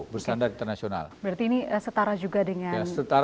berstandar internasional berarti ini setara juga